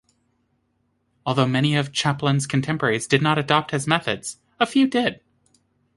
Although many of Chapelon's contemporaries did not adopt his methods, a few did.